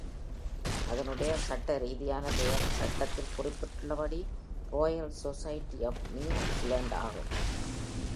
அதனுடைய சட்டரீதியான பெயர், சட்டத்தில் குறிப்பிட்டுள்ளபடி, Royal Society of New Zealand ஆகும்.